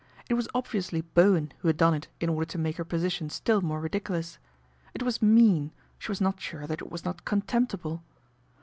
It was ob viously Bowen who had done it in order to make her position still more ridiculous. It was mean, she was not sure that it was not contemptible.